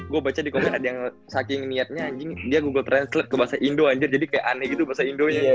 gue baca di komen ada yang saking niatnya anjing dia google translate ke bahasa indo aja jadi kayak aneh gitu bahasa indonya